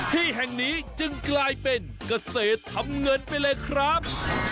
ที่แห่งนี้จึงกลายเป็นเกษตรทำเงินไปเลยครับ